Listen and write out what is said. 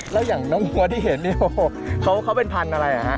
แล้วอย่างน้องผู้ที่เห็นนี่เขาเป็นพันธุ์อะไรครับ